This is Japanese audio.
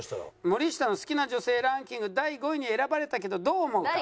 「森下の好きな女性ランキング第５位に選ばれたけどどう思うか？」